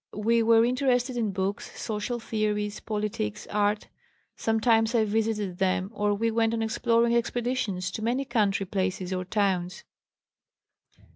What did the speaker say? We were interested in books, social theories, politics, art. Sometimes I visited them or we went on exploring expeditions to many country places or towns.